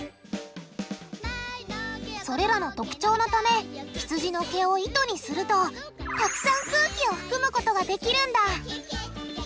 それらの特徴のためひつじの毛を糸にするとたくさん空気を含むことができるんだ。